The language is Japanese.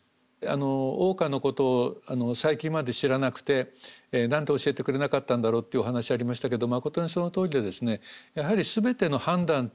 桜花のことを最近まで知らなくて何で教えてくれなかったんだろうってお話ありましたけどまことにそのとおりでですねやはり全ての判断っていうのは情報があって判断できるんで